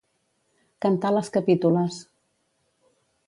Cantar les capítules.